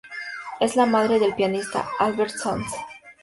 Es la madre del pianista Albert Sanz.